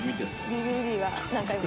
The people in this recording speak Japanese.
ＤＶＤは何回も。